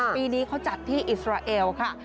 ปีนี้เขาจัดที่อิสราเอลค่ะ